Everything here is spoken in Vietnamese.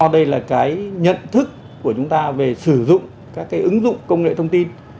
đây là cái nhận thức của chúng ta về sử dụng các ứng dụng công nghệ thông tin